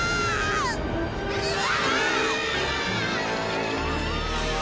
うわ！